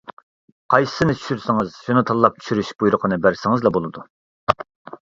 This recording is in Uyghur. قايسىسىنى چۈشۈرسىڭىز شۇنى تاللاپ چۈشۈرۈش بۇيرۇقىنى بەرسىڭىزلا بولىدۇ.